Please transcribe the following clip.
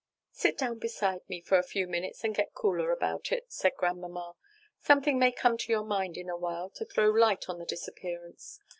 "Sit down beside me for a few minutes and get cooler about it," said Grandmamma. "Something may come to your mind in a while to throw light on the disappearance.